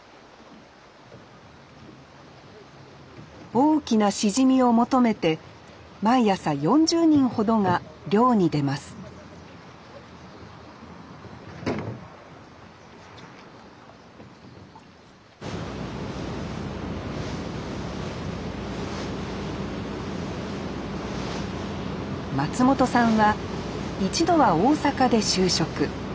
大きなしじみを求めて毎朝４０人ほどが漁に出ます松本さんは一度は大阪で就職。